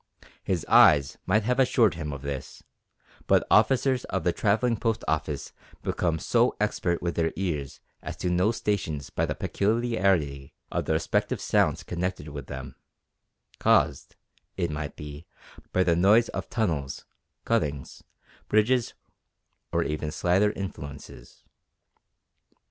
His eyes might have assured him of this, but officers of the Travelling Post Office become so expert with their ears as to know stations by the peculiarity of the respective sounds connected with them caused, it might be, by the noise of tunnels, cuttings, bridges, or even slighter influences.